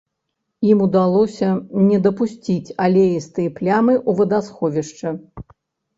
Ім удалося не дапусціць алеістыя плямы ў вадасховішча.